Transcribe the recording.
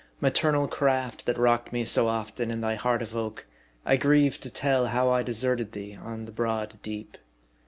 Maternal craft, that rocked me so often in thy heart of oak, I grieve to tell how I deserted thee on the broad deep.